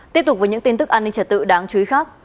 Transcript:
tiếp tục với những tin tức an ninh trật tự đáng chú ý khác